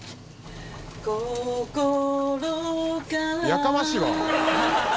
「やかましいわ！」